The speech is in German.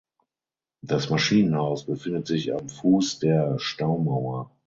Das Maschinenhaus befindet sich am Fuß der Staumauer.